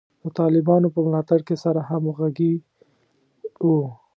د طالبانو په ملاتړ کې سره همغږي وو.